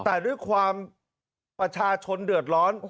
แต่ด้วยความประชาชนเดือดร้อน